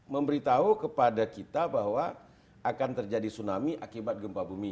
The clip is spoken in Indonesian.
memberitahu kepada kita bahwa akan terjadi tsunami akibat gempa bumi